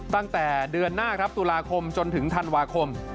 ตั้งแต่เดือนหน้าครับตุลาคมจนถึงธันวาคม